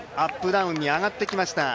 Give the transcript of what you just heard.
ダウンに上がってきました。